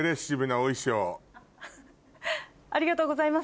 ありがとうございます